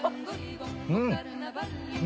うん！